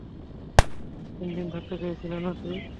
তিন দিন থাকতে চেয়েছিলি না তুই?